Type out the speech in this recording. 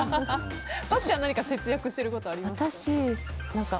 漠ちゃん何か節約してることありますか？